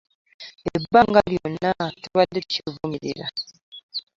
Ebbanga lyonna tubadde tukivumirira.